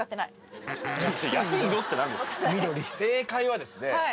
正解はですね